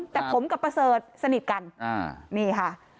แต่ผมกับประเสริฐสนิทกันนี่ค่ะ